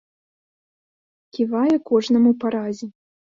Ківае кожнаму па разе.